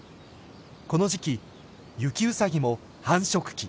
この時期ユキウサギも繁殖期。